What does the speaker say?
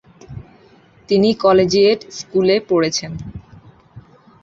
তিনি কলেজিয়েট স্কুলে পড়েছেন।